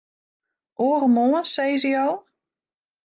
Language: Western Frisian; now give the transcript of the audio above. Oaremoarn, sizze jo?